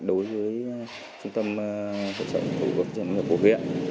đối với trung tâm hội chống bệnh dạy của huyện